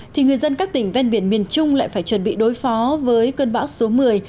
thì người dân các tỉnh ven biển miền trung lại phải chuẩn bị đối phó với cơn bão số một mươi